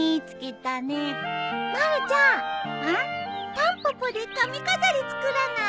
タンポポで髪飾り作らない？